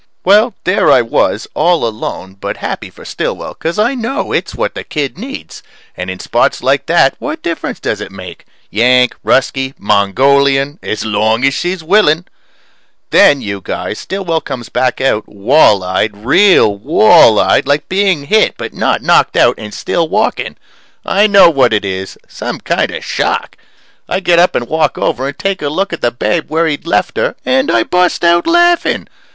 Well, there I was, all alone, but happy for Stillwell, cause I know it's what the kid needs, and in spots like that what difference does it make? Yank Ruskie Mongolian as long as she's willing. Then, you guys, Stillwell comes back out wall eyed real wall eyed like being hit but not knocked out and still walking. I know what it is some kind of shock. I get up and walk over and take a look at the babe where he'd left her and I bust out laughing.